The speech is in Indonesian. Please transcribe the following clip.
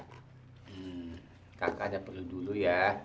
kakak ada perlu dulu ya